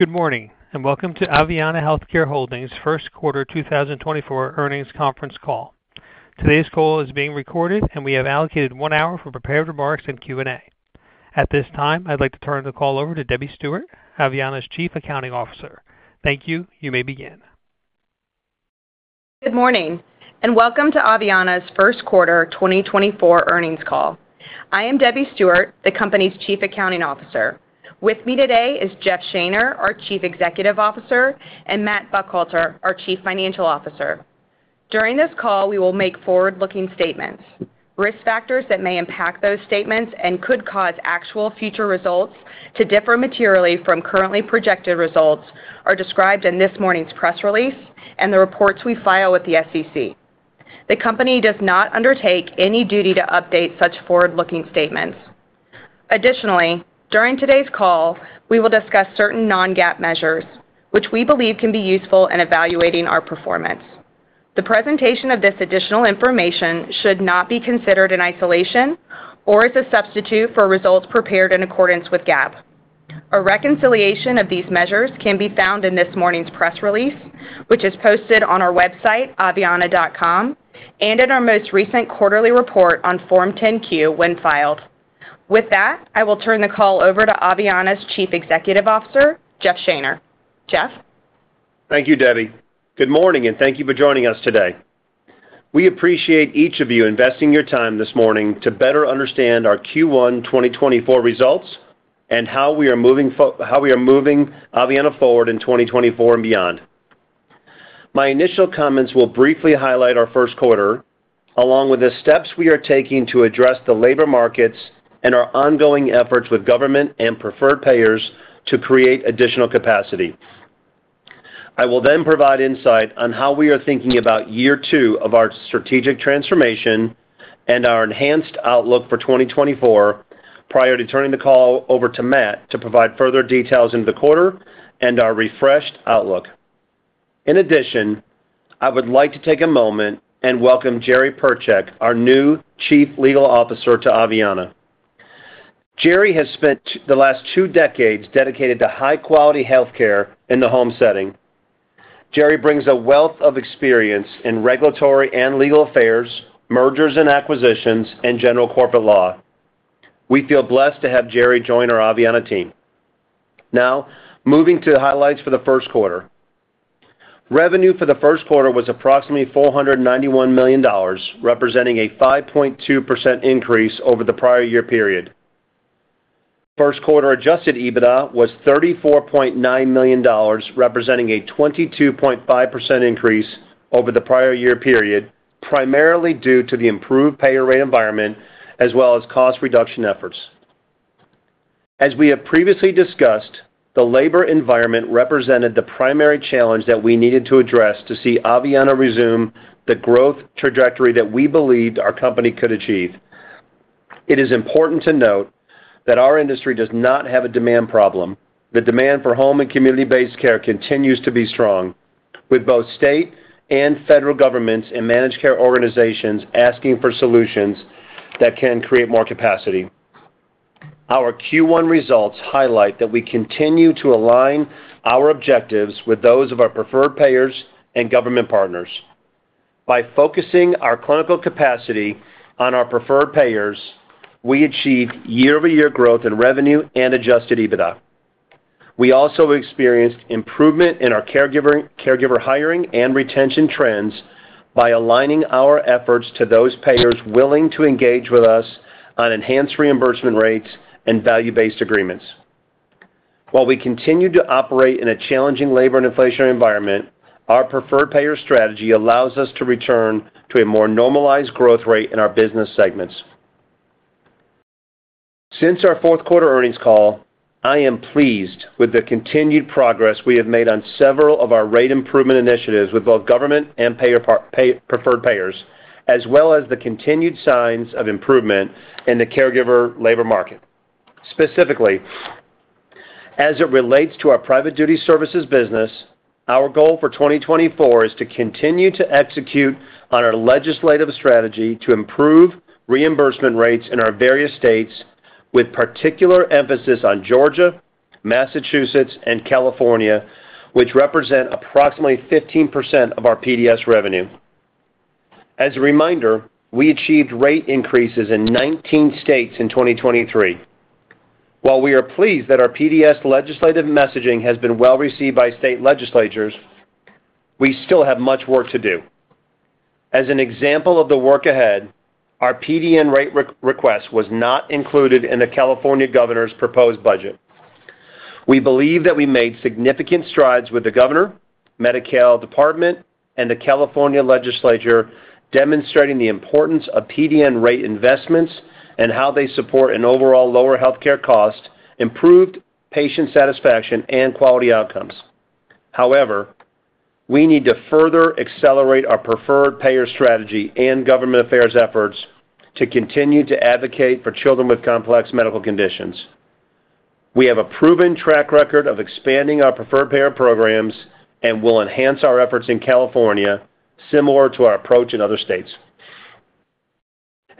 Good morning, and welcome to Aveanna Healthcare Holdings' first quarter 2024 earnings conference call. Today's call is being recorded, and we have allocated 1 hour for prepared remarks and Q&A. At this time, I'd like to turn the call over to Debbie Stewart, Aveanna's Chief Accounting Officer. Thank you. You may begin. Good morning, and welcome to Aveanna's first quarter 2024 earnings call. I am Debbie Stewart, the company's Chief Accounting Officer. With me today is Jeff Shaner, our Chief Executive Officer, and Matt Buckhalter, our Chief Financial Officer. During this call, we will make forward-looking statements. Risk factors that may impact those statements and could cause actual future results to differ materially from currently projected results are described in this morning's press release and the reports we file with the SEC. The company does not undertake any duty to update such forward-looking statements. Additionally, during today's call, we will discuss certain non-GAAP measures, which we believe can be useful in evaluating our performance. The presentation of this additional information should not be considered in isolation or as a substitute for results prepared in accordance with GAAP. A reconciliation of these measures can be found in this morning's press release, which is posted on our website, aveanna.com, and in our most recent quarterly report on Form 10-Q, when filed. With that, I will turn the call over to Aveanna's Chief Executive Officer, Jeff Shaner. Jeff? Thank you, Debbie. Good morning, and thank you for joining us today. We appreciate each of you investing your time this morning to better understand our Q1 2024 results and how we are moving Aveanna forward in 2024 and beyond. My initial comments will briefly highlight our first quarter, along with the steps we are taking to address the labor markets and our ongoing efforts with government and preferred payers to create additional capacity. I will then provide insight on how we are thinking about year two of our strategic transformation and our enhanced outlook for 2024, prior to turning the call over to Matt to provide further details into the quarter and our refreshed outlook. In addition, I would like to take a moment and welcome Jerry Perchik, our new Chief Legal Officer, to Aveanna. Jerry has spent the last two decades dedicated to high-quality healthcare in the home setting. Jerry brings a wealth of experience in regulatory and legal affairs, mergers and acquisitions, and general corporate law. We feel blessed to have Jerry join our Aveanna team. Now, moving to the highlights for the first quarter. Revenue for the first quarter was approximately $491 million, representing a 5.2% increase over the prior year period. First quarter adjusted EBITDA was $34.9 million, representing a 22.5% increase over the prior year period, primarily due to the improved payer rate environment, as well as cost reduction efforts. As we have previously discussed, the labor environment represented the primary challenge that we needed to address to see Aveanna resume the growth trajectory that we believed our company could achieve. It is important to note that our industry does not have a demand problem. The demand for home and community-based care continues to be strong, with both state and federal governments and managed care organizations asking for solutions that can create more capacity. Our Q1 results highlight that we continue to align our objectives with those of our preferred payers and government partners. By focusing our clinical capacity on our preferred payers, we achieved year-over-year growth in revenue and Adjusted EBITDA. We also experienced improvement in our caregiver hiring and retention trends by aligning our efforts to those payers willing to engage with us on enhanced reimbursement rates and value-based agreements. While we continue to operate in a challenging labor and inflationary environment, our preferred payer strategy allows us to return to a more normalized growth rate in our business segments. Since our fourth quarter earnings call, I am pleased with the continued progress we have made on several of our rate improvement initiatives with both government and payer preferred payers, as well as the continued signs of improvement in the caregiver labor market. Specifically, as it relates to our private duty services business, our goal for 2024 is to continue to execute on our legislative strategy to improve reimbursement rates in our various states, with particular emphasis on Georgia, Massachusetts, and California, which represent approximately 15% of our PDS revenue. As a reminder, we achieved rate increases in 19 states in 2023. While we are pleased that our PDS legislative messaging has been well-received by state legislatures, we still have much work to do. As an example of the work ahead, our PDN rate request was not included in the California Governor's proposed budget. We believe that we made significant strides with the governor, Medi-Cal Department, and the California Legislature, demonstrating the importance of PDN rate investments and how they support an overall lower healthcare cost, improved patient satisfaction, and quality outcomes. However, we need to further accelerate our preferred payer strategy and government affairs efforts to continue to advocate for children with complex medical conditions. We have a proven track record of expanding our preferred payer programs and will enhance our efforts in California, similar to our approach in other states...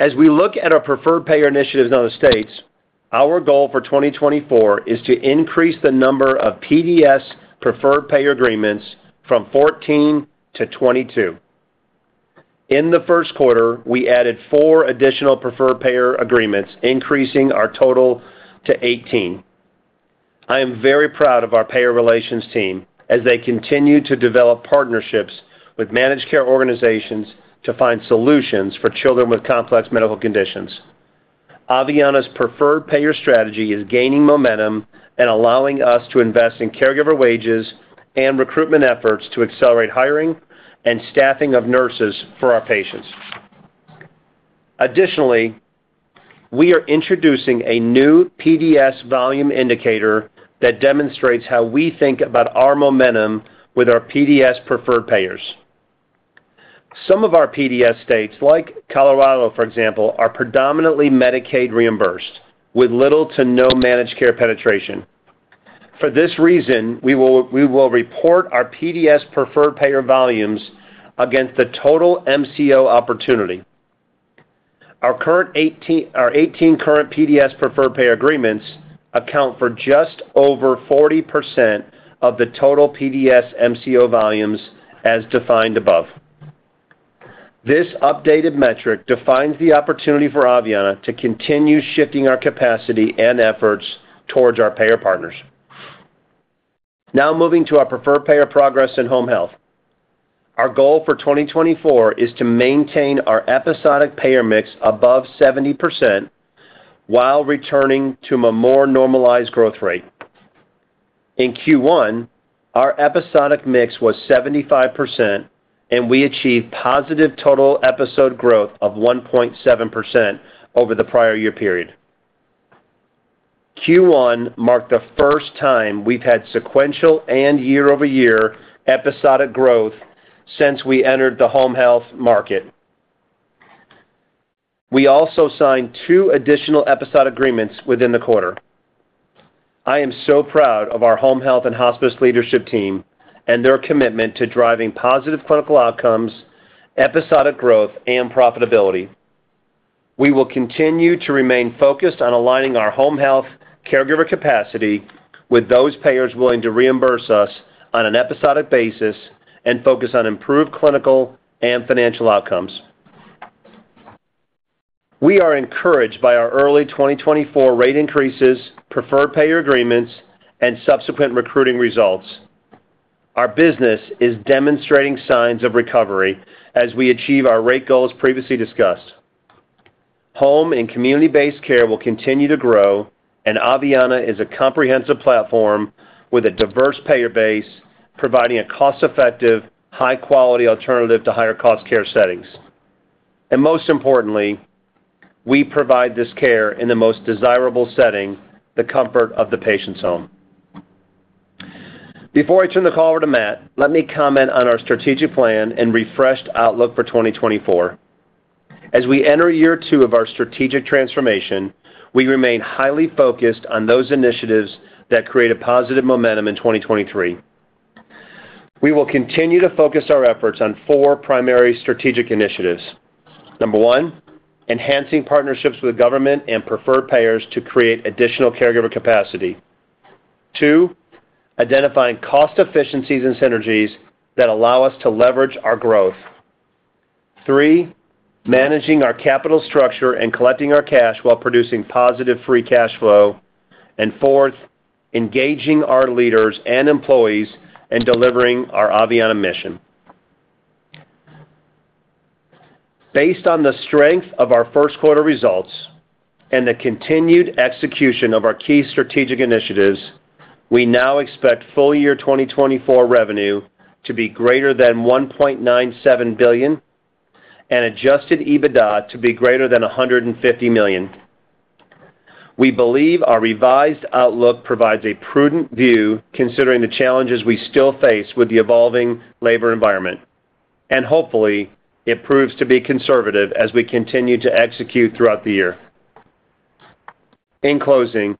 As we look at our preferred payer initiatives in other states, our goal for 2024 is to increase the number of PDS preferred payer agreements from 14 to 22. In the first quarter, we added four additional preferred payer agreements, increasing our total to 18. I am very proud of our payer relations team as they continue to develop partnerships with managed care organizations to find solutions for children with complex medical conditions. Aveanna's preferred payer strategy is gaining momentum and allowing us to invest in caregiver wages and recruitment efforts to accelerate hiring and staffing of nurses for our patients. Additionally, we are introducing a new PDS volume indicator that demonstrates how we think about our momentum with our PDS preferred payers. Some of our PDS states, like Colorado, for example, are predominantly Medicaid reimbursed, with little to no managed care penetration. For this reason, we will report our PDS preferred payer volumes against the total MCO opportunity. Our current 18, our 18 current PDS preferred payer agreements account for just over 40% of the total PDS MCO volumes, as defined above. This updated metric defines the opportunity for Aveanna to continue shifting our capacity and efforts towards our payer partners. Now moving to our preferred payer progress in home health. Our goal for 2024 is to maintain our episodic payer mix above 70% while returning to a more normalized growth rate. In Q1, our episodic mix was 75%, and we achieved positive total episode growth of 1.7% over the prior year period. Q1 marked the first time we've had sequential and year-over-year episodic growth since we entered the home health market. We also signed 2 additional episodic agreements within the quarter. I am so proud of our home health and hospice leadership team and their commitment to driving positive clinical outcomes, episodic growth, and profitability. We will continue to remain focused on aligning our home health caregiver capacity with those payers willing to reimburse us on an episodic basis and focus on improved clinical and financial outcomes. We are encouraged by our early 2024 rate increases, preferred payer agreements, and subsequent recruiting results. Our business is demonstrating signs of recovery as we achieve our rate goals previously discussed. Home and community-based care will continue to grow, and Aveanna is a comprehensive platform with a diverse payer base, providing a cost-effective, high-quality alternative to higher cost care settings. And most importantly, we provide this care in the most desirable setting, the comfort of the patient's home. Before I turn the call over to Matt, let me comment on our strategic plan and refreshed outlook for 2024. As we enter year two of our strategic transformation, we remain highly focused on those initiatives that created positive momentum in 2023. We will continue to focus our efforts on four primary strategic initiatives. Number one, enhancing partnerships with government and preferred payers to create additional caregiver capacity. Two, identifying cost efficiencies and synergies that allow us to leverage our growth. Three, managing our capital structure and collecting our cash while producing positive free cash flow. And fourth, engaging our leaders and employees in delivering our Aveanna mission. Based on the strength of our first quarter results and the continued execution of our key strategic initiatives, we now expect full year 2024 revenue to be greater than $1.97 billion and adjusted EBITDA to be greater than $150 million. We believe our revised outlook provides a prudent view, considering the challenges we still face with the evolving labor environment, and hopefully, it proves to be conservative as we continue to execute throughout the year. In closing,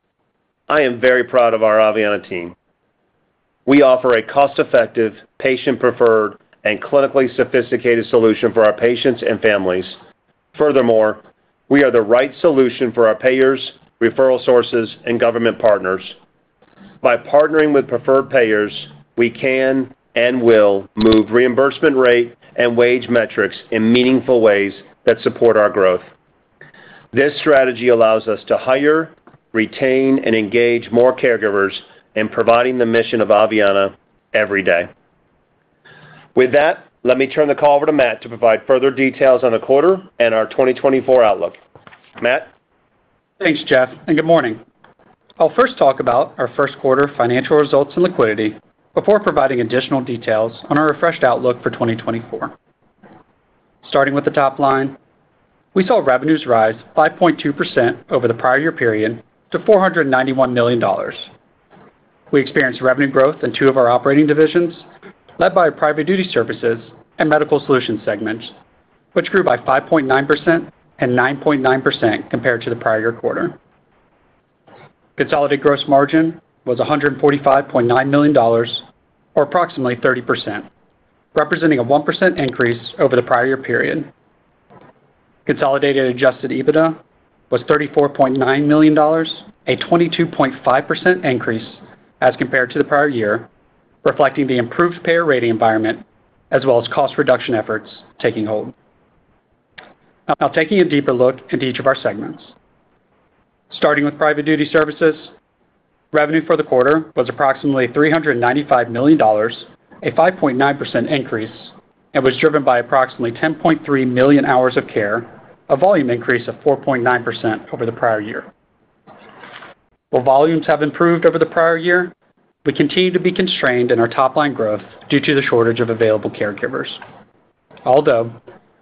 I am very proud of our Aveanna team. We offer a cost-effective, patient-preferred, and clinically sophisticated solution for our patients and families. Furthermore, we are the right solution for our payers, referral sources, and government partners. By partnering with preferred payers, we can and will move reimbursement rate and wage metrics in meaningful ways that support our growth. This strategy allows us to hire, retain, and engage more caregivers in providing the mission of Aveanna every day. With that, let me turn the call over to Matt to provide further details on the quarter and our 2024 outlook. Matt? Thanks, Jeff, and good morning. I'll first talk about our first quarter financial results and liquidity before providing additional details on our refreshed outlook for 2024. Starting with the top line, we saw revenues rise 5.2% over the prior year period to $491 million. We experienced revenue growth in two of our operating divisions, led by our Private Duty Services and Medical Solutions segments, which grew by 5.9% and 9.9% compared to the prior year quarter. Consolidated gross margin was $145.9 million, or approximately 30%, representing a 1% increase over the prior year period. Consolidated Adjusted EBITDA was $34.9 million, a 22.5% increase as compared to the prior year, reflecting the improved payer rating environment, as well as cost reduction efforts taking hold. Now, taking a deeper look into each of our segments. Starting with private duty services, revenue for the quarter was approximately $395 million, a 5.9% increase, and was driven by approximately 10.3 million hours of care, a volume increase of 4.9% over the prior year. While volumes have improved over the prior year, we continue to be constrained in our top line growth due to the shortage of available caregivers, although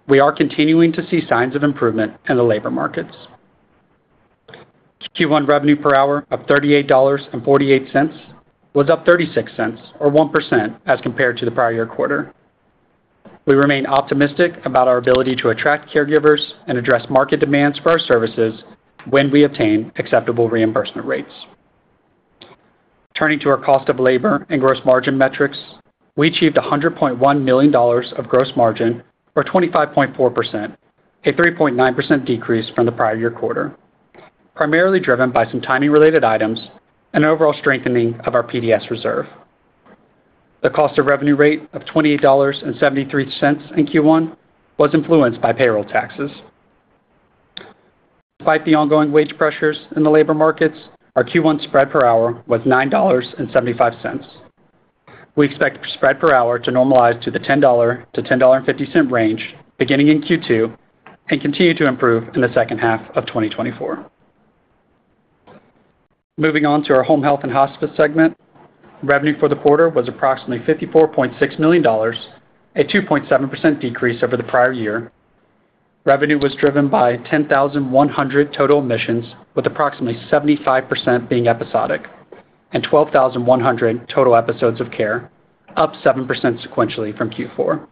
we are continuing to see signs of improvement in the labor markets. Q1 revenue per hour of $38.48 was up $0.36, or 1%, as compared to the prior year quarter. We remain optimistic about our ability to attract caregivers and address market demands for our services when we obtain acceptable reimbursement rates. Turning to our cost of labor and gross margin metrics, we achieved $101 million of gross margin, or 25.4%, a 3.9% decrease from the prior year quarter, primarily driven by some timing-related items and overall strengthening of our PDS reserve. The cost of revenue rate of $28.73 in Q1 was influenced by payroll taxes. Despite the ongoing wage pressures in the labor markets, our Q1 spread per hour was $9.75. We expect spread per hour to normalize to the $10-$10.50 range beginning in Q2 and continue to improve in the second half of 2024. Moving on to our Home Health and Hospice segment. Revenue for the quarter was approximately $54.6 million, a 2.7% decrease over the prior year. Revenue was driven by 10,100 total admissions, with approximately 75% being episodic, and 12,100 total episodes of care, up 7% sequentially from Q4.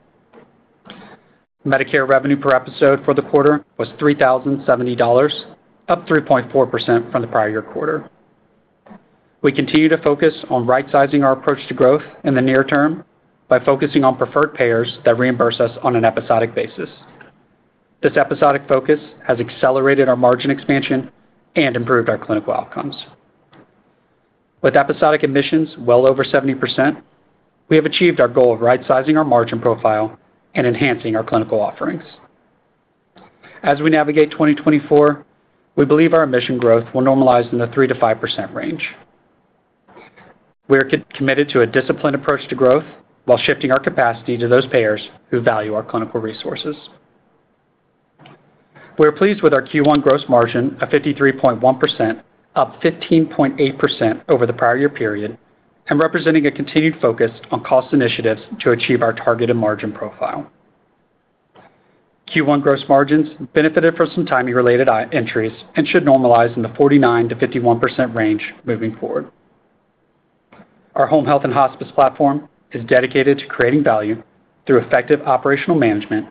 Medicare revenue per episode for the quarter was $3,070, up 3.4% from the prior year quarter. We continue to focus on right sizing our approach to growth in the near term by focusing on preferred payers that reimburse us on an episodic basis. This episodic focus has accelerated our margin expansion and improved our clinical outcomes. With episodic admissions well over 70%, we have achieved our goal of right sizing our margin profile and enhancing our clinical offerings. As we navigate 2024, we believe our admission growth will normalize in the 3%-5% range. We are committed to a disciplined approach to growth while shifting our capacity to those payers who value our clinical resources. We are pleased with our Q1 gross margin of 53.1%, up 15.8% over the prior year period, and representing a continued focus on cost initiatives to achieve our targeted margin profile. Q1 gross margins benefited from some timing-related entries and should normalize in the 49%-51% range moving forward. Our Home Health and Hospice platform is dedicated to creating value through effective operational management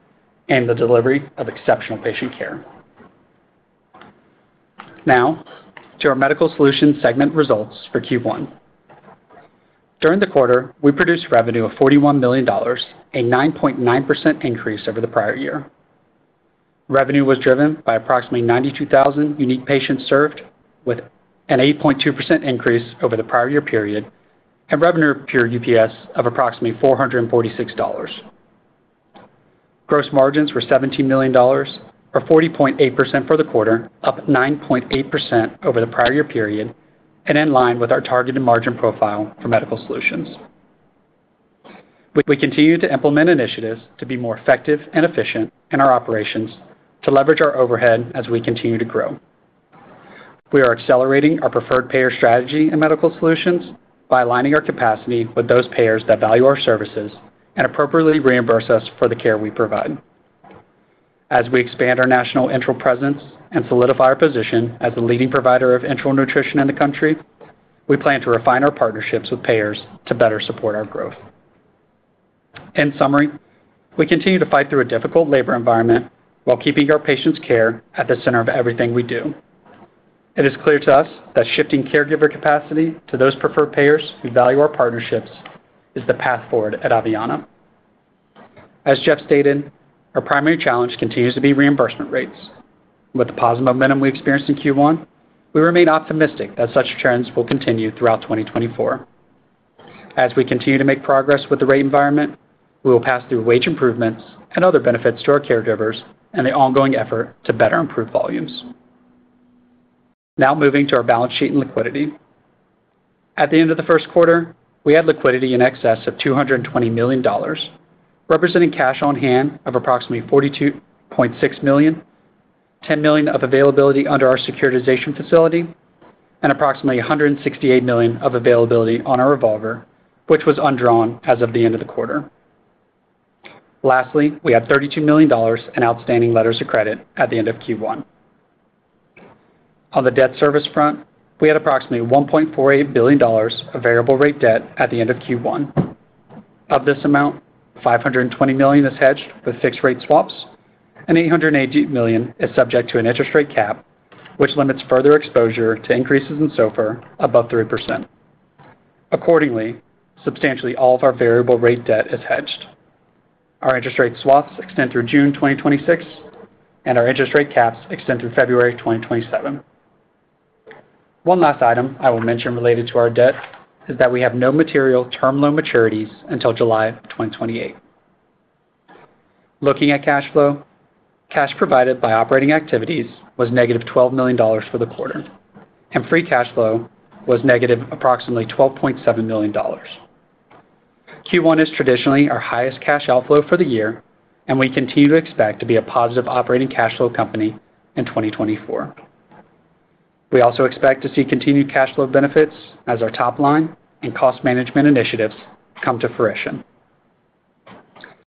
and the delivery of exceptional patient care. Now, to our Medical Solutions segment results for Q1. During the quarter, we produced revenue of $41 million, a 9.9% increase over the prior year. Revenue was driven by approximately 92,000 unique patients served with an 8.2% increase over the prior year period, and revenue per UPS of approximately $446. Gross margins were $17 million, or 40.8% for the quarter, up 9.8% over the prior year period and in line with our targeted margin profile for Medical Solutions. We continue to implement initiatives to be more effective and efficient in our operations to leverage our overhead as we continue to grow. We are accelerating our preferred payer strategy in medical solutions by aligning our capacity with those payers that value our services and appropriately reimburse us for the care we provide. As we expand our national enteral presence and solidify our position as the leading provider of enteral nutrition in the country, we plan to refine our partnerships with payers to better support our growth. In summary, we continue to fight through a difficult labor environment while keeping our patients' care at the center of everything we do. It is clear to us that shifting caregiver capacity to those preferred payers who value our partnerships is the path forward at Aveanna. As Jeff stated, our primary challenge continues to be reimbursement rates. With the positive momentum we experienced in Q1, we remain optimistic that such trends will continue throughout 2024. As we continue to make progress with the rate environment, we will pass through wage improvements and other benefits to our caregivers and the ongoing effort to better improve volumes. Now, moving to our balance sheet and liquidity. At the end of the first quarter, we had liquidity in excess of $220 million, representing cash on hand of approximately $42.6 million, $10 million of availability under our securitization facility, and approximately $168 million of availability on our revolver, which was undrawn as of the end of the quarter. Lastly, we had $32 million in outstanding letters of credit at the end of Q1. On the debt service front, we had approximately $1.48 billion of variable rate debt at the end of Q1. Of this amount, $520 million is hedged with fixed rate swaps, and $880 million is subject to an interest rate cap, which limits further exposure to increases in SOFR above 3%. Accordingly, substantially all of our variable rate debt is hedged. Our interest rate swaps extend through June 2026, and our interest rate caps extend through February 2027. One last item I will mention related to our debt is that we have no material term loan maturities until July 2028. Looking at cash flow, cash provided by operating activities was -$12 million for the quarter, and free cash flow was negative approximately $12.7 million. Q1 is traditionally our highest cash outflow for the year, and we continue to expect to be a positive operating cash flow company in 2024. We also expect to see continued cash flow benefits as our top line and cost management initiatives come to fruition.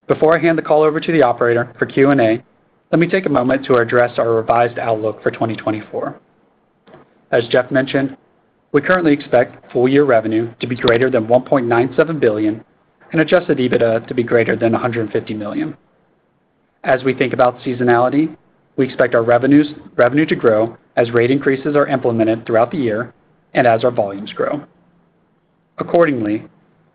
Before I hand the call over to the operator for Q&A, let me take a moment to address our revised outlook for 2024. As Jeff mentioned, we currently expect full year revenue to be greater than $1.97 billion and Adjusted EBITDA to be greater than $150 million. As we think about seasonality, we expect our revenue to grow as rate increases are implemented throughout the year and as our volumes grow. Accordingly,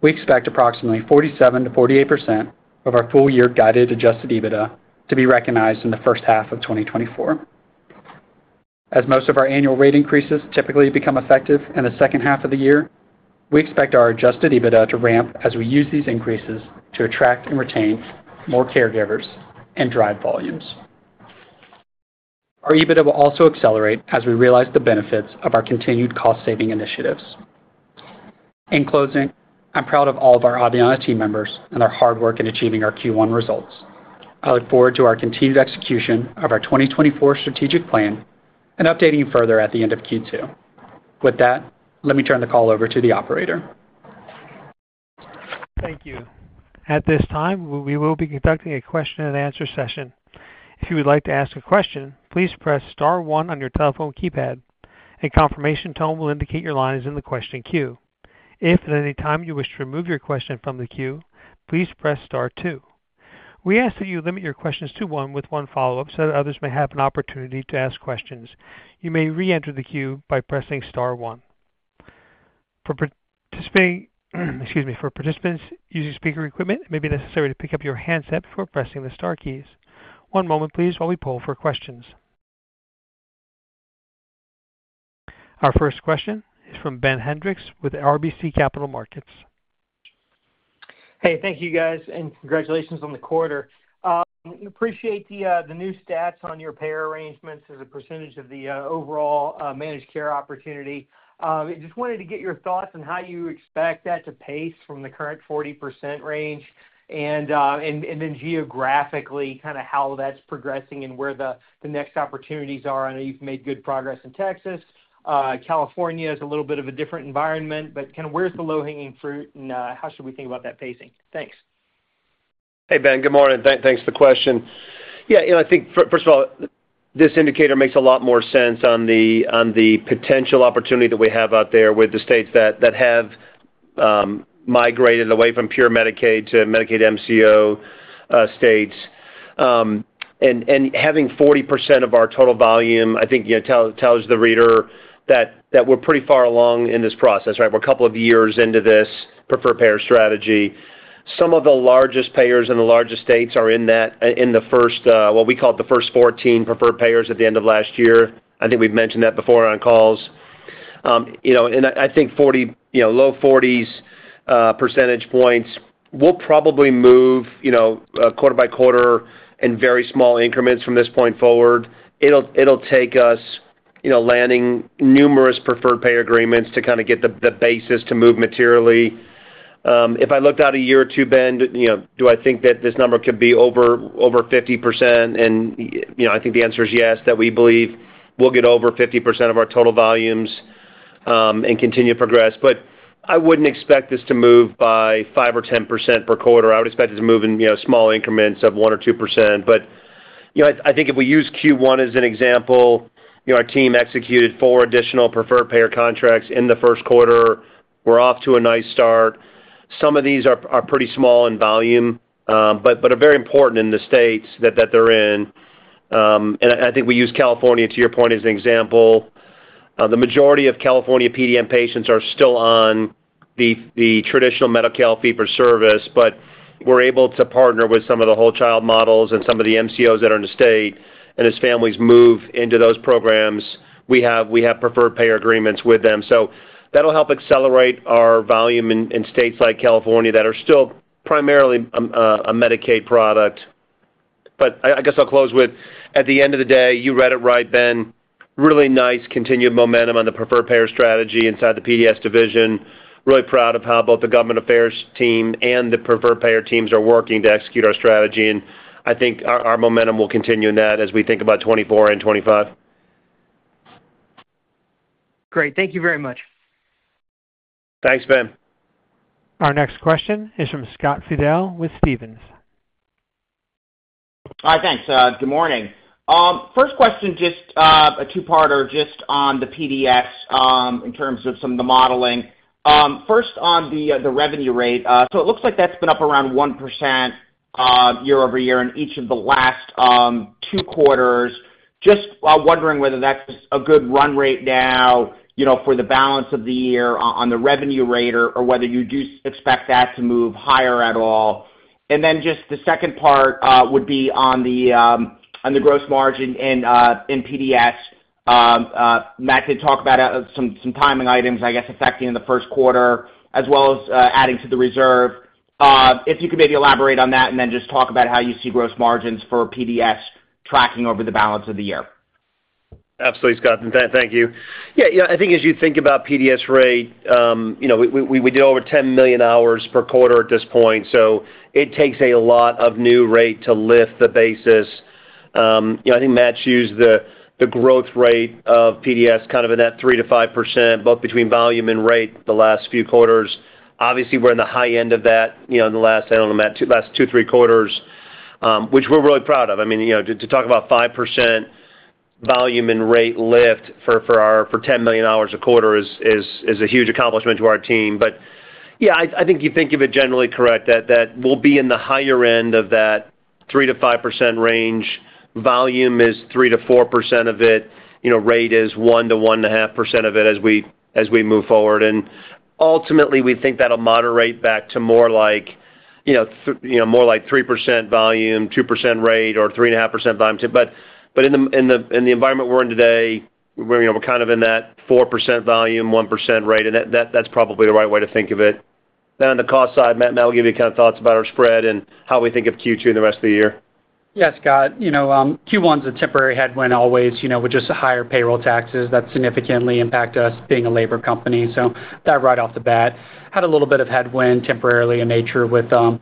we expect approximately 47%-48% of our full year guided Adjusted EBITDA to be recognized in the first half of 2024. As most of our annual rate increases typically become effective in the second half of the year, we expect our adjusted EBITDA to ramp as we use these increases to attract and retain more caregivers and drive volumes. Our EBITDA will also accelerate as we realize the benefits of our continued cost-saving initiatives. In closing, I'm proud of all of our Aveanna team members and our hard work in achieving our Q1 results. I look forward to our continued execution of our 2024 strategic plan and updating you further at the end of Q2. With that, let me turn the call over to the operator. Thank you. At this time, we will be conducting a question and answer session. If you would like to ask a question, please press star one on your telephone keypad. A confirmation tone will indicate your line is in the question queue. If at any time you wish to remove your question from the queue, please press star two. We ask that you limit your questions to one with one follow-up so that others may have an opportunity to ask questions. You may reenter the queue by pressing star one. For participating, excuse me, for participants using speaker equipment, it may be necessary to pick up your handset before pressing the star keys. One moment, please, while we poll for questions. Our first question is from Ben Hendrix with RBC Capital Markets. Hey, thank you, guys, and congratulations on the quarter. Appreciate the, the new stats on your payer arrangements as a percentage of the, overall, managed care opportunity. Just wanted to get your thoughts on how you expect that to pace from the current 40% range, and then geographically, kinda how that's progressing and where the next opportunities are. I know you've made good progress in Texas. California is a little bit of a different environment, but kinda where's the low-hanging fruit, and, how should we think about that pacing? Thanks. Hey, Ben. Good morning. Thanks for the question. Yeah, you know, I think first of all, this indicator makes a lot more sense on the, on the potential opportunity that we have out there with the states that, that have, migrated away from pure Medicaid to Medicaid MCO, states. And, and having 40% of our total volume, I think, you know, tells the reader that, that we're pretty far along in this process, right? We're a couple of years into this preferred payer strategy. Some of the largest payers in the largest states are in that, in the first, what we call it, the first 14 preferred payers at the end of last year. I think we've mentioned that before on calls. You know, and I think 40, you know, low 40s percentage points will probably move, you know, quarter by quarter in very small increments from this point forward. It'll take us, you know, landing numerous preferred payer agreements to kinda get the basis to move materially. If I looked out a year or two, Ben, you know, do I think that this number could be over 50%? You know, I think the answer is yes, that we believe we'll get over 50% of our total volumes and continue to progress. But I wouldn't expect this to move by 5% or 10% per quarter. I would expect it to move in, you know, small increments of 1% or 2%. But, you know, I think if we use Q1 as an example, you know, our team executed four additional preferred payer contracts in the first quarter. We're off to a nice start. Some of these are pretty small in volume, but are very important in the states that they're in. And I think we use California, to your point, as an example. The majority of California PDN patients are still on the traditional Medi-Cal fee for service, but we're able to partner with some of the Whole Child models and some of the MCOs that are in the state. And as families move into those programs, we have preferred payer agreements with them. So that'll help accelerate our volume in states like California, that are still primarily a Medicaid product. But I, I guess I'll close with, at the end of the day, you read it right, Ben, really nice continued momentum on the preferred payer strategy inside the PDS division. Really proud of how both the government affairs team and the preferred payer teams are working to execute our strategy, and I think our, our momentum will continue in that as we think about 2024 and 2025. Great. Thank you very much. Thanks, Ben. Our next question is from Scott Fidel with Stephens. All right, thanks. Good morning. First question, just a two-parter, just on the PDS, in terms of some of the modeling. First, on the revenue rate, so it looks like that's been up around 1% year-over-year in each of the last two quarters. Just wondering whether that's a good run rate now, you know, for the balance of the year on the revenue rate, or whether you do expect that to move higher at all. And then just the second part would be on the gross margin in PDS. Matt did talk about some timing items, I guess, affecting in the first quarter, as well as adding to the reserve. If you could maybe elaborate on that and then just talk about how you see gross margins for PDS tracking over the balance of the year? Absolutely, Scott, and thank you. Yeah, you know, I think as you think about PDS rate, you know, we do over 10 million hours per quarter at this point, so it takes a lot of new rate to lift the basis. You know, I think Matt's used the growth rate of PDS kind of in that 3%-5%, both between volume and rate, the last few quarters. Obviously, we're in the high end of that, you know, in the last, I don't know, Matt, last two, three quarters, which we're really proud of. I mean, you know, to talk about 5% volume and rate lift for our 10 million hours a quarter is a huge accomplishment to our team. But yeah, I think you think of it generally correct, that we'll be in the higher end of that 3%-5% range. Volume is 3%-4% of it, you know, rate is 1%-1.5% of it as we move forward. And ultimately, we think that'll moderate back to more like, you know, more like 3% volume, 2% rate, or 3.5% volume. But in the environment we're in today, where, you know, we're kind of in that 4% volume, 1% rate, and that's probably the right way to think of it. Then on the cost side, Matt will give you kind of thoughts about our spread and how we think of Q2 and the rest of the year. Yeah, Scott. You know, Q1's a temporary headwind always, you know, with just the higher payroll taxes that significantly impact us being a labor company. So that right off the bat, had a little bit of headwind, temporarily in nature, with some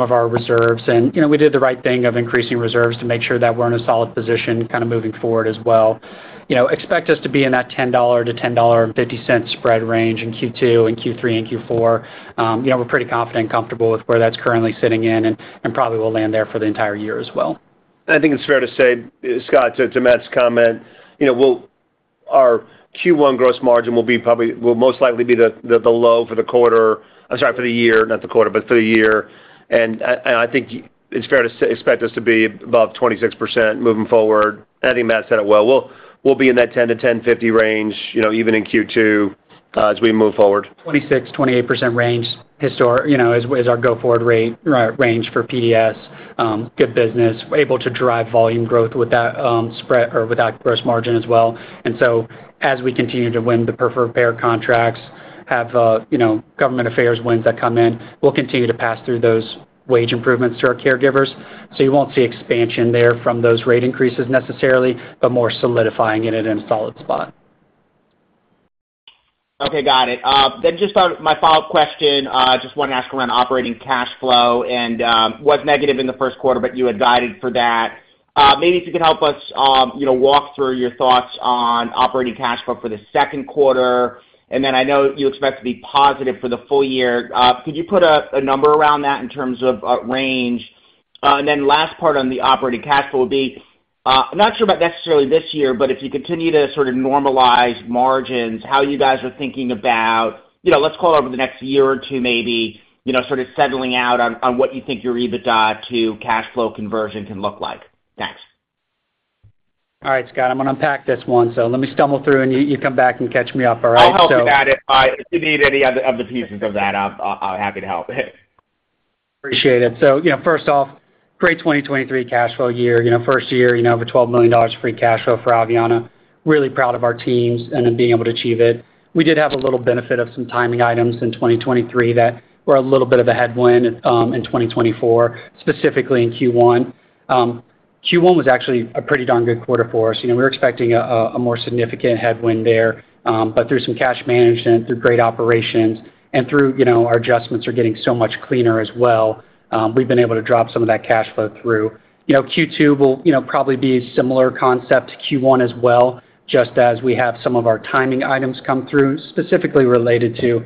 of our reserves. And, you know, we did the right thing of increasing reserves to make sure that we're in a solid position kind of moving forward as well. You know, expect us to be in that $10-$10.50 spread range in Q2 and Q3 and Q4. You know, we're pretty confident and comfortable with where that's currently sitting in, and probably will land there for the entire year as well. I think it's fair to say, Scott, to Matt's comment, you know, we'll our Q1 gross margin will be probably will most likely be the low for the quarter. I'm sorry, for the year, not the quarter, but for the year. I think it's fair to expect us to be above 26% moving forward. I think Matt said it well. We'll be in that $10-$10.50 range, you know, even in Q2, as we move forward. 26%-28% range, you know, is our go-forward rate range for PDS. Good business, able to drive volume growth with that spread or with that gross margin as well. And so as we continue to win the preferred payer contracts, have, you know, government affairs wins that come in, we'll continue to pass through those wage improvements to our caregivers. So you won't see expansion there from those rate increases necessarily, but more solidifying it in a solid spot. Okay, got it. Then just, my follow-up question, just wanted to ask around operating cash flow and, was negative in the first quarter, but you had guided for that. Maybe if you could help us, you know, walk through your thoughts on operating cash flow for the second quarter, and then I know you expect to be positive for the full year. Could you put a, a number around that in terms of, range? And then last part on the operating cash flow will be, I'm not sure about necessarily this year, but if you continue to sort of normalize margins, how you guys are thinking about, you know, let's call it over the next year or two, maybe, you know, sort of settling out on, on what you think your EBITDA to cash flow conversion can look like? Thanks. All right, Scott, I'm gonna unpack this one, so let me stumble through and you, you come back and catch me up, all right? So- I'll help you with that if you need any other pieces of that. I'm happy to help. Appreciate it. So, you know, first off, great 2023 cash flow year. You know, first year, you know, over $12 million of free cash flow for Aveanna. Really proud of our teams and then being able to achieve it. We did have a little benefit of some timing items in 2023 that were a little bit of a headwind in 2024, specifically in Q1. Q1 was actually a pretty darn good quarter for us. You know, we were expecting a more significant headwind there, but through some cash management, through great operations, and through, you know, our adjustments are getting so much cleaner as well, we've been able to drop some of that cash flow through. You know, Q2 will, you know, probably be a similar concept to Q1 as well, just as we have some of our timing items come through, specifically related to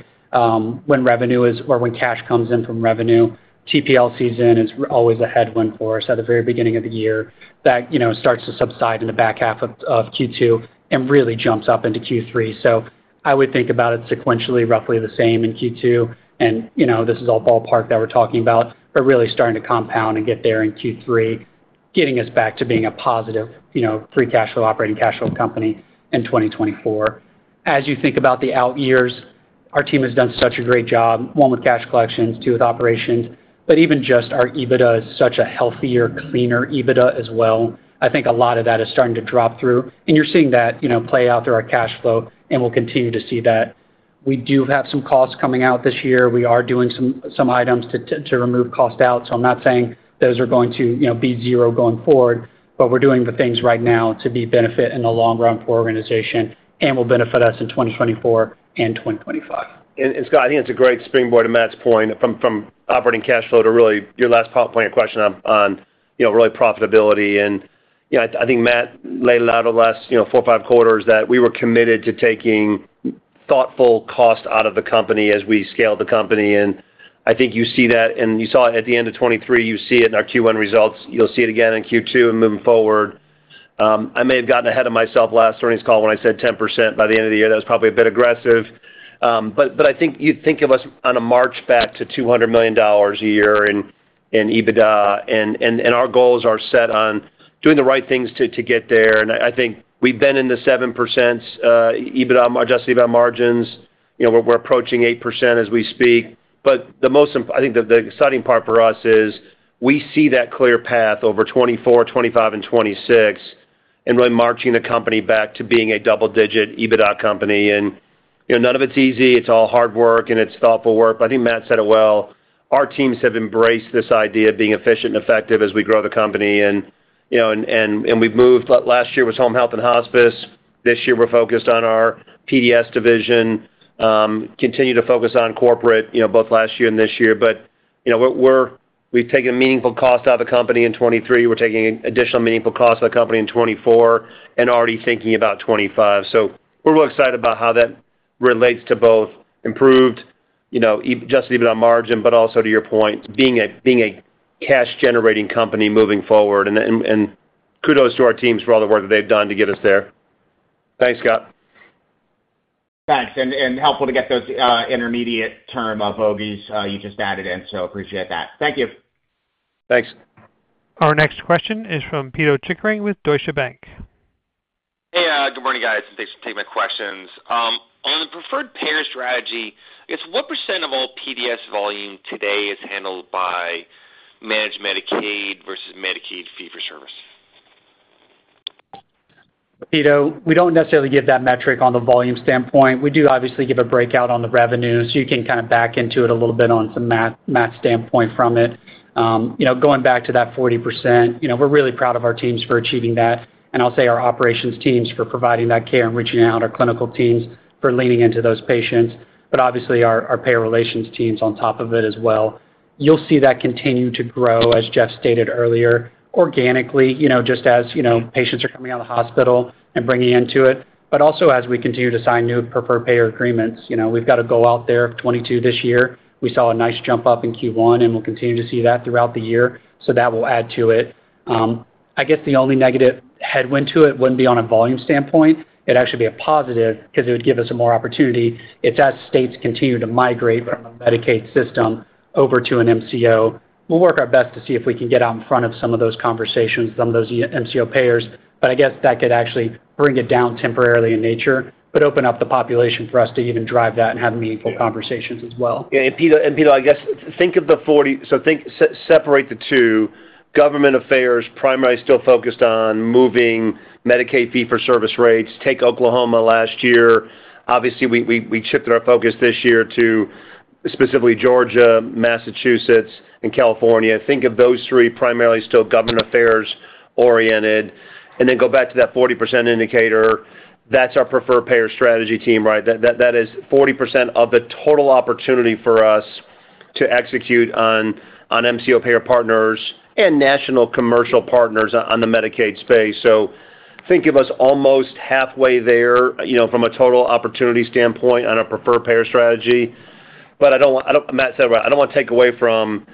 when revenue is, or when cash comes in from revenue. TPL season is always a headwind for us at the very beginning of the year. That, you know, starts to subside in the back half of Q2 and really jumps up into Q3. So I would think about it sequentially, roughly the same in Q2. And, you know, this is all ballpark that we're talking about, but really starting to compound and get there in Q3, getting us back to being a positive, you know, free cash flow, operating cash flow company in 2024. As you think about the out years, our team has done such a great job, one, with cash collections, two, with operations, but even just our EBITDA is such a healthier, cleaner EBITDA as well. I think a lot of that is starting to drop through, and you're seeing that, you know, play out through our cash flow, and we'll continue to see that. We do have some costs coming out this year. We are doing some items to remove costs out, so I'm not saying those are going to, you know, be zero going forward, but we're doing the things right now to benefit in the long run for our organization and will benefit us in 2024 and 2025. Scott, I think it's a great springboard to Matt's point from operating cash flow to really your last point of question on, you know, really profitability. Yeah, I think Matt laid it out the last, you know, four or five quarters, that we were committed to taking thoughtful cost out of the company as we scale the company, and I think you see that, and you saw it at the end of 2023. You see it in our Q1 results. You'll see it again in Q2 and moving forward. I may have gotten ahead of myself last earnings call when I said 10% by the end of the year. That was probably a bit aggressive. But I think you'd think of us on a march back to $200 million a year in EBITDA, and our goals are set on doing the right things to get there. And I think we've been in the 7%, EBITDA, adjusted EBITDA margins. You know, we're approaching 8% as we speak. But the most, I think the exciting part for us is, we see that clear path over 2024, 2025, and 2026, and really marching the company back to being a double-digit EBITDA company. And you know, none of it's easy. It's all hard work, and it's thoughtful work, but I think Matt said it well. Our teams have embraced this idea of being efficient and effective as we grow the company, and you know, we've moved. Last year was home health and hospice. This year, we're focused on our PDS division, continue to focus on corporate, you know, both last year and this year. But, you know, what we've taken meaningful cost out of the company in 2023. We're taking additional meaningful cost out of the company in 2024 and already thinking about 2025. So we're real excited about how that relates to both improved, you know, adjusted EBITDA margin, but also, to your point, being a cash-generating company moving forward. And kudos to our teams for all the work that they've done to get us there. Thanks, Scott. Thanks, and helpful to get those intermediate term analogies you just added in, so appreciate that. Thank you. Thanks. Our next question is from Peter Chickering with Deutsche Bank. Hey, good morning, guys. Thanks for taking my questions. On the preferred payer strategy, it's what % of all PDS volume today is handled by managed Medicaid versus Medicaid fee-for-service? Peter, we don't necessarily give that metric on the volume standpoint. We do obviously give a breakout on the revenue, so you can kind of back into it a little bit on some math standpoint from it. You know, going back to that 40%, you know, we're really proud of our teams for achieving that, and I'll say our operations teams for providing that care and reaching out, our clinical teams for leaning into those patients, but obviously our payer relations teams on top of it as well. You'll see that continue to grow, as Jeff stated earlier, organically, you know, just as, you know, patients are coming out of the hospital and bringing into it, but also as we continue to sign new preferred payer agreements. You know, we've got to go out there, 2022 this year. We saw a nice jump up in Q1, and we'll continue to see that throughout the year, so that will add to it. I guess the only negative headwind to it wouldn't be on a volume standpoint. It'd actually be a positive because it would give us more opportunity if, as states continue to migrate from a Medicaid system over to an MCO, we'll work our best to see if we can get out in front of some of those conversations, some of those MCO payers. But I guess that could actually bring it down temporarily in nature, but open up the population for us to even drive that and have meaningful conversations as well. Yeah, Peter, I guess, think of the 40, so think, separate the two. Government affairs, primarily still focused on moving Medicaid fee-for-service rates. Take Oklahoma last year. Obviously, we shifted our focus this year to specifically Georgia, Massachusetts, and California. Think of those three, primarily still government affairs oriented, and then go back to that 40% indicator. That's our preferred payer strategy team, right? That is 40% of the total opportunity for us to execute on MCO payer partners and national commercial partners on the Medicaid space. So think of us almost halfway there, you know, from a total opportunity standpoint on a preferred payer strategy. But I don't, Matt said it right, I don't want to take away from,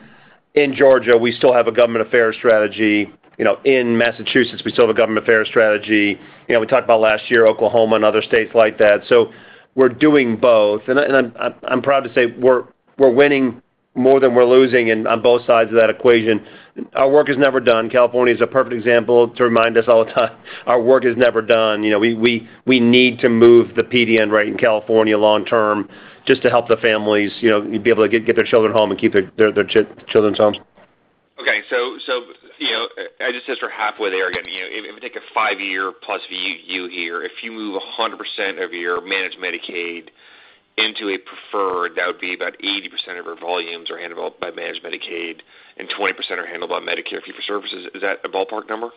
in Georgia, we still have a government affairs strategy. You know, in Massachusetts, we still have a government affairs strategy. You know, we talked about last year, Oklahoma and other states like that. So we're doing both. And I, and I'm, I'm proud to say we're, we're winning more than we're losing in, on both sides of that equation. Our work is never done. California is a perfect example to remind us all the time, our work is never done. You know, we, we, we need to move the PDN rate in California long term just to help the families, you know, be able to get, get their children home and keep their, their children's homes. Okay, so, you know, I just says we're halfway there. Again, you know, if we take a 5-year+ view here, if you move 100% of your managed Medicaid into a preferred, that would be about 80% of our volumes are handled by managed Medicaid, and 20% are handled by Medicare fee-for-service. Is that a ballpark number?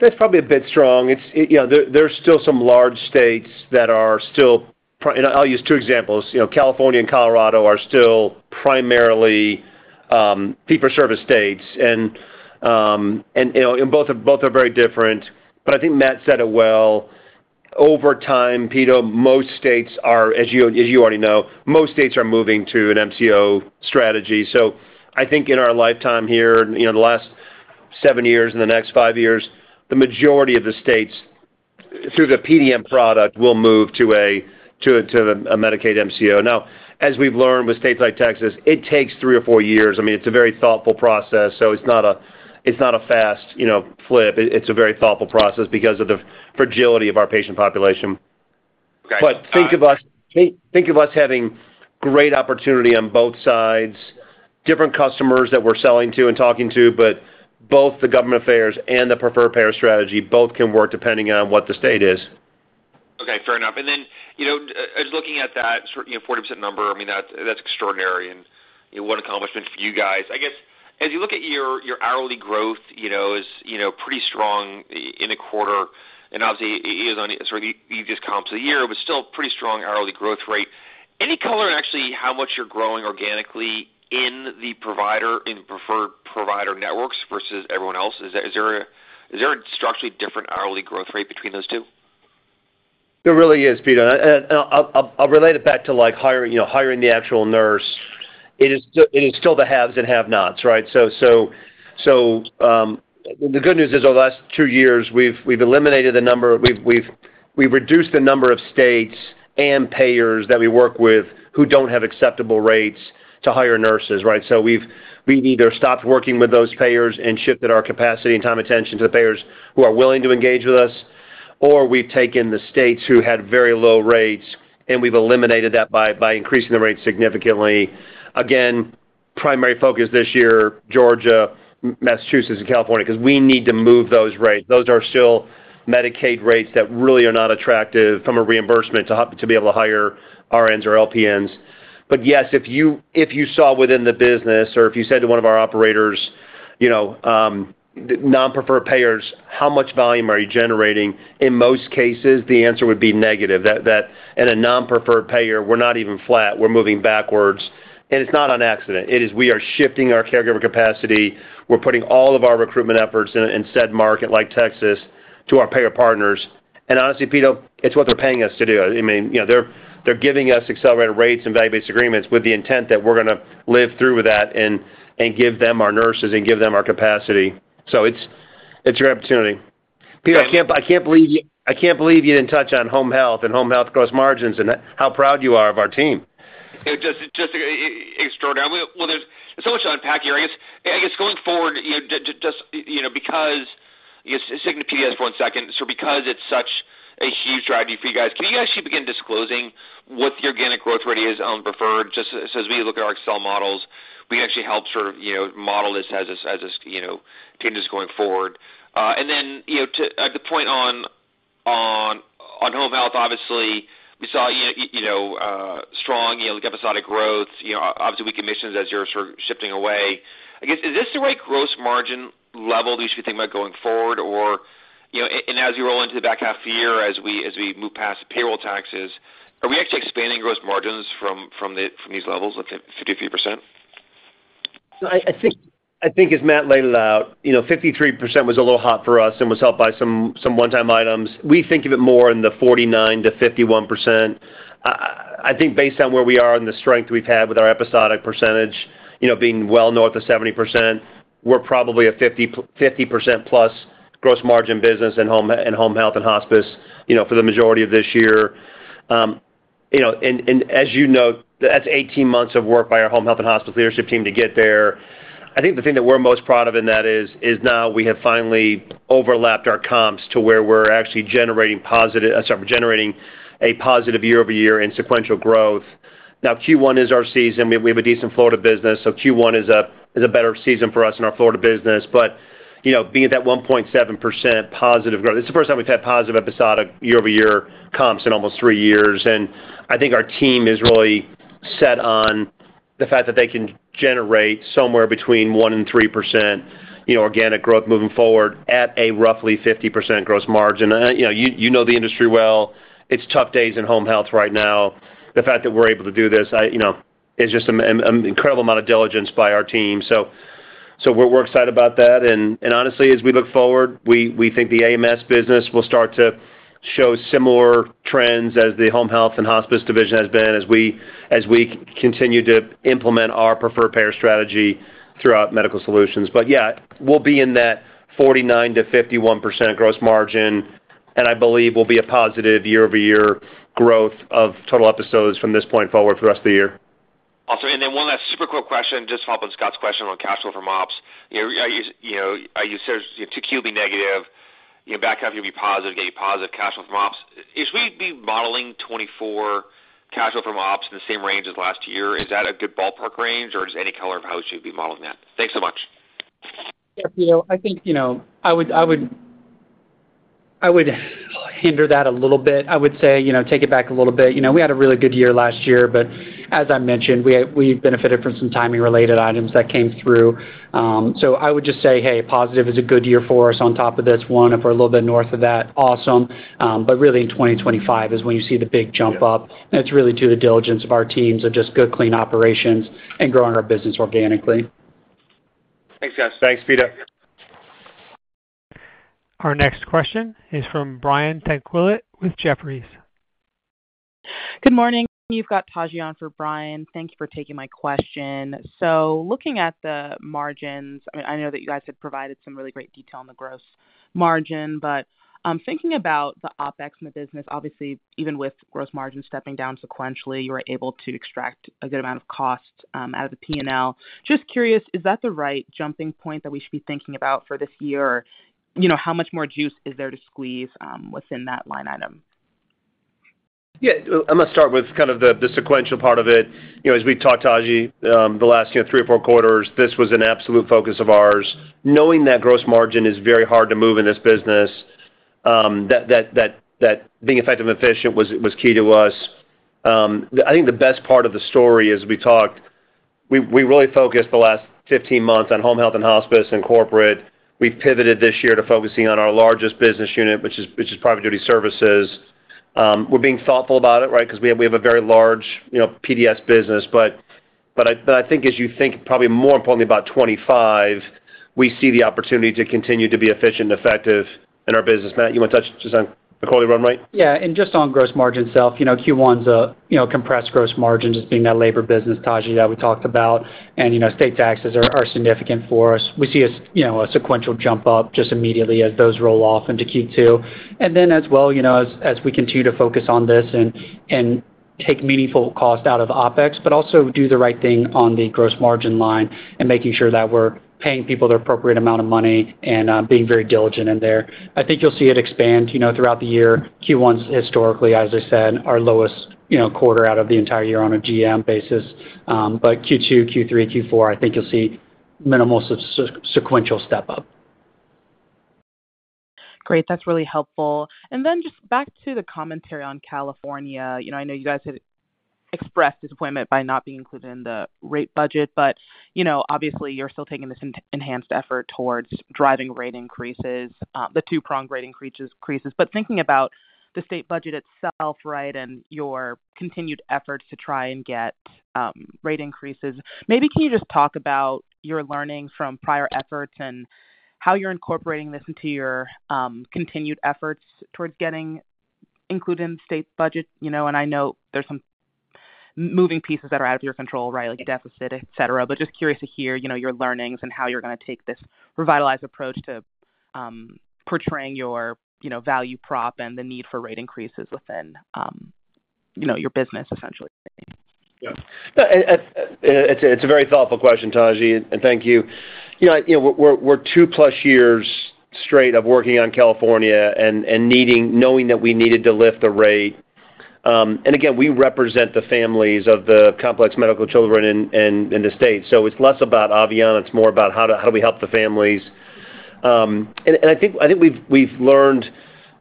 That's probably a bit strong. It's you know, there's still some large states that are still pri-- and I'll use two examples. You know, California and Colorado are still primarily fee-for-service states, and you know, and both are, both are very different. But I think Matt said it well. Over time, Peter, most states are, as you, as you already know, most states are moving to an MCO strategy. So I think in our lifetime here, you know, the last seven years and the next five years, the majority of the states, through the PDN product, will move to a, to a, to a Medicaid MCO. Now, as we've learned with states like Texas, it takes three or four years. I mean, it's a very thoughtful process, so it's not a, it's not a fast, you know, flip. It's a very thoughtful process because of the fragility of our patient population. Got you. But think of us having great opportunity on both sides, different customers that we're selling to and talking to, but both the government affairs and the preferred payer strategy, both can work depending on what the state is. Okay, fair enough. And then, you know, as looking at that certain, you know, 40% number, I mean, that's, that's extraordinary, and, you know, what an accomplishment for you guys. I guess, as you look at your, your hourly growth, you know, is, you know, pretty strong in a quarter, and obviously, it is on the-- sort of you just comp the year, but still pretty strong hourly growth rate. Any color on actually how much you're growing organically in the provider, in preferred provider networks versus everyone else? Is there, is there a structurally different hourly growth rate between those two? There really is, Peter, and I'll relate it back to, like, hiring, you know, hiring the actual nurse. It is still the haves and have-nots, right? So, the good news is, over the last two years, we've reduced the number of states and payers that we work with who don't have acceptable rates to hire nurses, right? So we've either stopped working with those payers and shifted our capacity and time and attention to the payers who are willing to engage with us, or we've taken the states who had very low rates, and we've eliminated that by increasing the rates significantly. Again, primary focus this year, Georgia, Massachusetts, and California, because we need to move those rates. Those are still Medicaid rates that really are not attractive from a reimbursement to, to be able to hire RNs or LPNs. But yes, if you, if you saw within the business or if you said to one of our operators, you know, non-preferred payers, how much volume are you generating? In most cases, the answer would be negative. That, that in a non-preferred payer, we're not even flat, we're moving backwards. And it's not on accident. It is we are shifting our caregiver capacity. We're putting all of our recruitment efforts in a state market like Texas, to our payer partners. And honestly, Peter, it's what they're paying us to do. I mean, you know, they're, they're giving us accelerated rates and value-based agreements with the intent that we're going to follow through with that and, and give them our nurses and give them our capacity. So it's your opportunity. Peter, I can't believe you didn't touch on home health and home health gross margins and how proud you are of our team. Just extraordinary. Well, there's so much to unpack here. I guess going forward, you know, just, you know, because Cigna PDS for one second. So because it's such a huge driver for you guys, can you actually begin disclosing what the organic growth rate is on preferred, just so as we look at our Excel models, we can actually help sort of, you know, model this as a trend going forward. And then, you know, to the point on home health, obviously, we saw, you know, strong episodic growth, you know, obviously, weak commissions as you're sort of shifting away. I guess, is this the right gross margin level we should think about going forward? Or, you know, and as you roll into the back half of the year, as we move past payroll taxes, are we actually expanding gross margins from these levels of 53%? So I think as Matt laid it out, you know, 53% was a little hot for us and was helped by some one-time items. We think of it more in the 49%-51%. I think based on where we are and the strength we've had with our episodic percentage, you know, being well north of 70%, we're probably a 50% plus gross margin business in home health and hospice, you know, for the majority of this year. And as you note, that's 18 months of work by our home health and hospice leadership team to get there. I think the thing that we're most proud of in that is now we have finally overlapped our comps to where we're actually generating a positive year-over-year in sequential growth. Now, Q1 is our season. We have a decent Florida business, so Q1 is a better season for us in our Florida business. But, you know, being at that 1.7% positive growth, it's the first time we've had positive episodic year-over-year comps in almost three years, and I think our team is really set on the fact that they can generate somewhere between 1% and 3%, you know, organic growth moving forward at a roughly 50% gross margin. You know, you know the industry well. It's tough days in home health right now. The fact that we're able to do this, I you know is just an incredible amount of diligence by our team. So, we're excited about that. Honestly, as we look forward, we think the AMS business will start to show similar trends as the home health and hospice division has been as we continue to implement our preferred payer strategy throughout medical solutions. But yeah, we'll be in that 49%-51% gross margin, and I believe we'll be a positive year-over-year growth of total episodes from this point forward for the rest of the year. Also, and then one last super quick question, just to follow up on Scott's question on cash flow from ops. You know, are you, you know, are you serious to QB negative, you know, back half, you'll be positive, get positive cash flow from ops. Is we be modeling 2024 cash flow from ops in the same range as last year? Is that a good ballpark range, or just any color of how we should be modeling that? Thanks so much. Yeah, Peter, I think, you know, I would hinder that a little bit. I would say, you know, take it back a little bit. You know, we had a really good year last year, but as I mentioned, we benefited from some timing-related items that came through. So I would just say, hey, positive is a good year for us on top of this one. If we're a little bit north of that, awesome. But really in 2025 is when you see the big jump up, and it's really to the diligence of our teams of just good, clean operations and growing our business organically. Thanks, guys. Thanks, Peter. Our next question is from Brian Tanquilut with Jefferies. Good morning, you've got Taji on for Brian. Thank you for taking my question. So looking at the margins, I mean, I know that you guys have provided some really great detail on the gross margin, but, thinking about the OpEx in the business, obviously, even with gross margin stepping down sequentially, you are able to extract a good amount of cost, out of the P&L. Just curious, is that the right jumping point that we should be thinking about for this year? You know, how much more juice is there to squeeze, within that line item? Yeah, I'm going to start with kind of the sequential part of it. You know, as we've talked, Taji, the last 3 or 4 quarters, this was an absolute focus of ours. Knowing that gross margin is very hard to move in this business, that being effective and efficient was key to us. I think the best part of the story as we talked. We really focused the last 15 months on home health and hospice and corporate. We've pivoted this year to focusing on our largest business unit, which is private duty services. We're being thoughtful about it, right? Because we have a very large, you know, PDS business. But I think as you think, probably more importantly, about 25, we see the opportunity to continue to be efficient and effective in our business. Matt, you want to touch just on quarterly run rate? Yeah. And just on Gross Margin itself, you know, Q1's a, you know, compressed Gross Margin, just being that labor business, Taji, that we talked about, and, you know, state taxes are, are significant for us. We see a, you know, a sequential jump up just immediately as those roll off into Q2. And then as well, you know, as we continue to focus on this and take meaningful cost out of OpEx, but also do the right thing on the Gross Margin line and making sure that we're paying people the appropriate amount of money and, being very diligent in there. I think you'll see it expand, you know, throughout the year. Q1 is historically, as I said, our lowest, you know, quarter out of the entire year on a GM basis. But Q2, Q3, Q4, I think you'll see minimal sequential step up. Great, that's really helpful. And then just back to the commentary on California. You know, I know you guys have expressed disappointment by not being included in the rate budget, but, you know, obviously, you're still taking this enhanced effort towards driving rate increases, the two-pronged rate increases. But thinking about the state budget itself, right, and your continued efforts to try and get, rate increases, maybe can you just talk about your learnings from prior efforts and how you're incorporating this into your, continued efforts towards getting included in the state budget? You know, and I know there's some moving pieces that are out of your control, right, like deficit, et cetera. But just curious to hear, you know, your learnings and how you're going to take this revitalized approach to, portraying your, you know, value prop and the need for rate increases within, you know, your business, essentially? Yeah. It's a very thoughtful question, Taji, and thank you. You know, you know, we're, we're two-plus years straight of working on California and, and needing, knowing that we needed to lift the rate. And again, we represent the families of the complex medical children in, in, in the state, so it's less about Aveanna, it's more about how do, how do we help the families. And, and I think, I think we've, we've learned,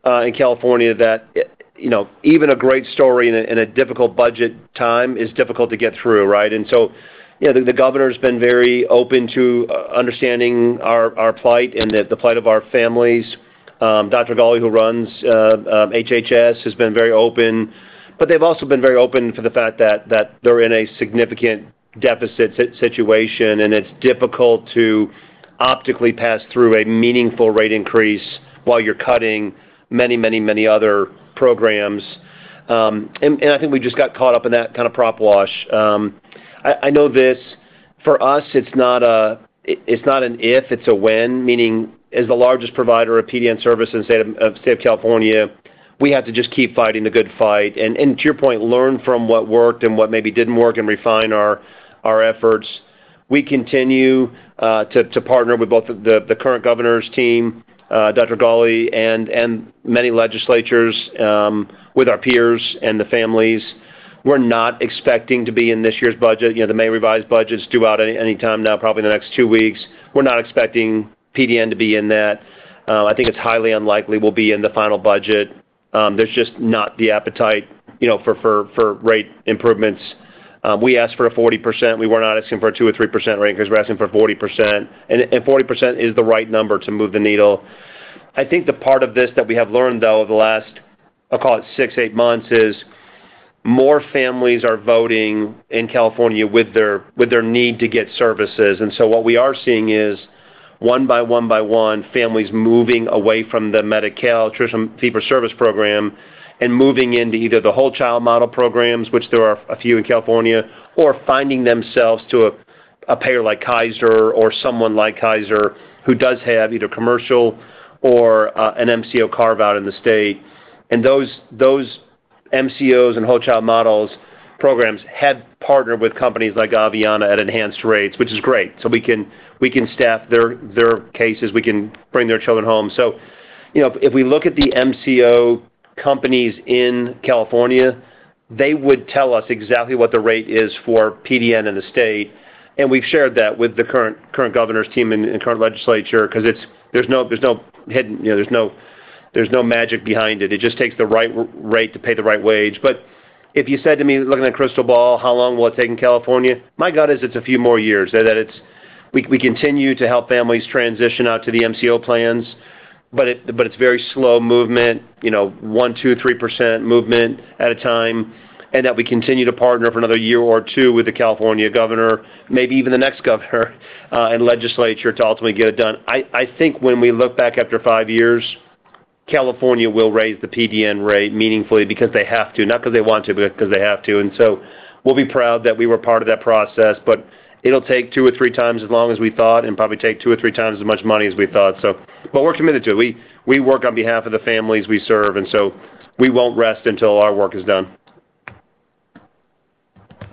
in California that, you know, even a great story in a, in a difficult budget time is difficult to get through, right? And so, you know, the, the governor's been very open to understanding our, our plight and the, the plight of our families. Dr. Ghaly, who runs HHS, has been very open, but they've also been very open to the fact that they're in a significant deficit situation, and it's difficult to optically pass through a meaningful rate increase while you're cutting many, many, many other programs. And I think we just got caught up in that kind of prop wash. I know this, for us, it's not an if, it's a when, meaning as the largest provider of PDN service in the state of California, we have to just keep fighting the good fight and, to your point, learn from what worked and what maybe didn't work and refine our efforts. We continue to partner with both the current governor's team, Dr. Ghaly and many legislatures, with our peers and the families. We're not expecting to be in this year's budget. You know, the May revised budget is due out anytime now, probably in the next 2 weeks. We're not expecting PDN to be in that. I think it's highly unlikely we'll be in the final budget. There's just not the appetite, you know, for rate improvements. We asked for a 40%. We were not asking for a 2% or 3% rate, because we're asking for 40%, and 40% is the right number to move the needle. I think the part of this that we have learned, though, over the last, I'll call it 6-8 months, is more families are voting in California with their need to get services. And so what we are seeing is, one by one by one, families moving away from the Medi-Cal Nutrition Fee-for-Service program and moving into either the Whole Child Model programs, which there are a few in California, or finding themselves to a, a payer like Kaiser or someone like Kaiser, who does have either commercial or, an MCO carve-out in the state. And those, those MCOs and Whole Child Models programs have partnered with companies like Aveanna at enhanced rates, which is great. So we can, we can staff their, their cases, we can bring their children home. So you know, if we look at the MCO companies in California, they would tell us exactly what the rate is for PDN in the state, and we've shared that with the current governor's team and current legislature, because it's, there's no hidden, you know, there's no magic behind it. It just takes the right rate to pay the right wage. But if you said to me, looking at a crystal ball, "How long will it take in California?" My gut is it's a few more years. We continue to help families transition out to the MCO plans, but it's very slow movement, you know, 1, 2, 3% movement at a time, and we continue to partner for another year or two with the California governor, maybe even the next governor, and legislature to ultimately get it done. I think when we look back after five years, California will raise the PDN rate meaningfully because they have to, not because they want to, but because they have to. And so we'll be proud that we were part of that process, but it'll take two or three times as long as we thought and probably take two or three times as much money as we thought, so. But we're committed to it. We work on behalf of the families we serve, and so we won't rest until our work is done.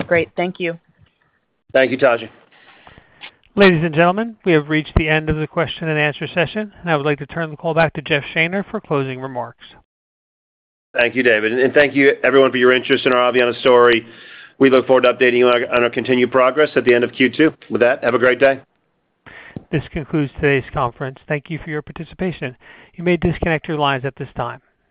Great. Thank you. Thank you, Taji. Ladies and gentlemen, we have reached the end of the question and answer session, and I would like to turn the call back to Jeff Shaner for closing remarks. Thank you, David, and thank you everyone for your interest in our Aveanna story. We look forward to updating you on our continued progress at the end of Q2. With that, have a great day. This concludes today's conference. Thank you for your participation. You may disconnect your lines at this time.